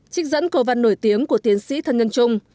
trích dẫn cầu văn nổi tiếng của tiến sĩ thân nhân trung